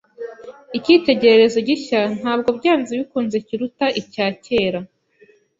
Icyitegererezo gishya ntabwo byanze bikunze kiruta icyakera.